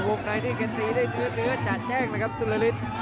ตรงนั้นที่กันตีได้เนื้อจัดแจ้งนะครับสุรินิท